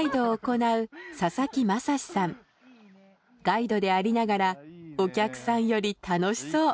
ガイドでありながらお客さんより楽しそう。